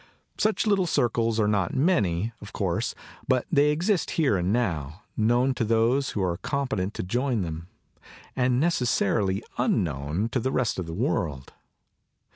Such little circles are not many, of course, but they exist here and now, known to those who are competent to join them and necessarily unknown to the rest of the world.